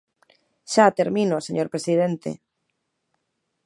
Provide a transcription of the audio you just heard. Xa, termino, señor presidente.